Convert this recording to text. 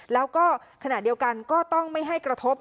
แล้วก็ขณะเดียวกันก็ต้องไม่ให้กระทบ